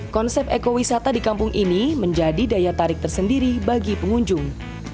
konsep ekowisata di kampung ini menjadi daya tarik tersendiri bagi pengunjung